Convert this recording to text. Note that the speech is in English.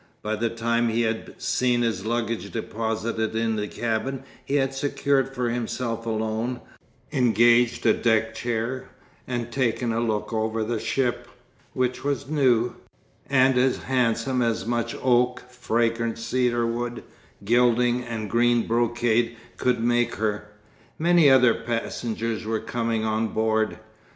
By the time he had seen his luggage deposited in the cabin he had secured for himself alone, engaged a deck chair, and taken a look over the ship which was new, and as handsome as much oak, fragrant cedar wood, gilding, and green brocade could make her many other passengers were coming on board.